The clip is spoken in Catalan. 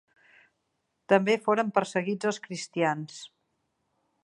També foren perseguits els cristians.